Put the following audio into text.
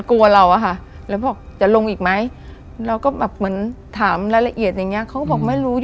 เขาบอกไม่รู้